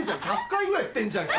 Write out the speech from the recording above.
１００回ぐらい言ってんじゃん。